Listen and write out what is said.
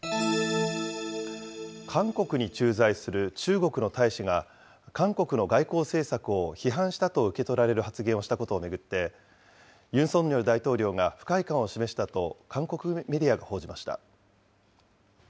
韓国に駐在する中国の大使が、韓国の外交政策を批判したと受け取られる発言をしたことを巡って、ユン・ソンニョル大統領が不快感を示したと韓国メディアが報じました。